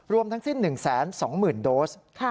รวมทั้งสิ้น๑๒๐๐๐โดส